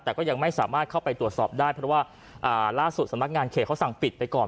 แต่ก็ยังไม่สามารถเข้าไปตรวจสอบได้เพราะว่าล่าสุดสำนักงานเขตเขาสั่งปิดไปก่อน